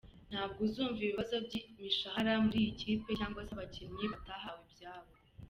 Ntabwo uzumva ibibazo by’imishahara muri iyi kipe cyangwa se abakinnyi batahawe ibyabo.